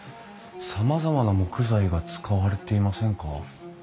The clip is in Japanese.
さまざまな木材が使われていませんか？